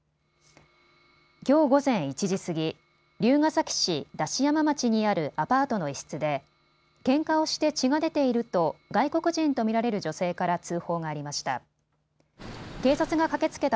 きょう午前１時過ぎ、龍ケ崎市出し山町にあるアパートの一室でけんかをして血が出ていると外国人と見られる女性から通報がありました。